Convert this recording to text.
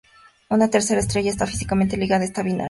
Una tercera estrella está físicamente ligada a esta binaria.